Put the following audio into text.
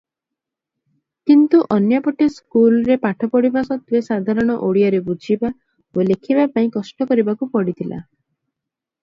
କିନ୍ତୁ ଅନ୍ୟ ପଟେ ସ୍କୁଲରେ ପାଠ ପଢ଼ିବା ସତ୍ତ୍ୱେ ସାଧାରଣ ଓଡ଼ିଆରେ ବୁଝିବା ଓ ଲେଖିବା ପାଇଁ କଷ୍ଟକରିବାକୁ ପଡ଼ିଥିଲା ।